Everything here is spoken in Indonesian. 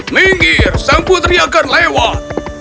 minggir sang putri akan lewat